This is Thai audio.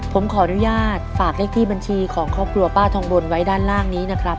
ผมขออนุญาตฝากเลขที่บัญชีของครอบครัวป้าทองบนไว้ด้านล่างนี้นะครับ